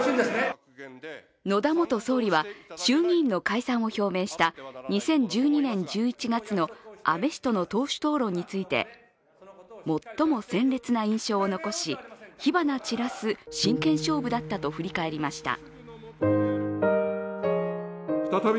野田元総理は衆議院の解散を表明した２０１２年１１月の安倍氏との党首討論について、最も鮮烈な印象を残し、火花散らす真剣勝負だったと振り返りました。